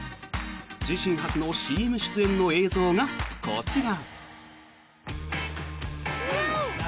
自身初のＣＭ出演の映像がこちら。